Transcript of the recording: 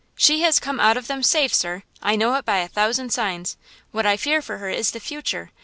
"She has come out of them safe, sir! I know it by a thousand signs; what I fear for her is the future.